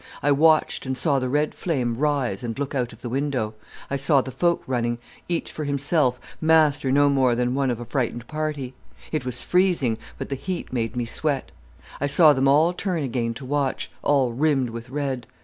I watched and saw the red flame rise and look out of the window, I saw the folk running, each for himself, master no more than one of a frightened party. It was freezing, but the heat made me sweat. I saw them all turn again to watch, all rimmed with red.